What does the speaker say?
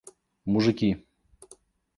мужики